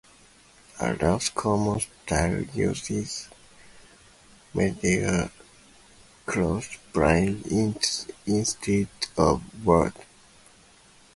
A less common style uses metal cross braces instead of wood.